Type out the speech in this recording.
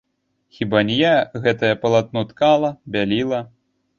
Хіба не я гэтае палатно ткала, бяліла?